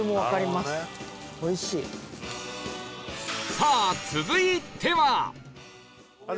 さあ続いては